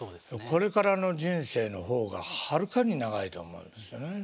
これからの人生の方がはるかに長いと思うんですよね。